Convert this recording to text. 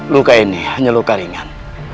luka ini hanya luka ringan